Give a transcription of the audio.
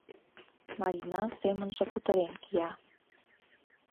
Марина семынже кутырен кия: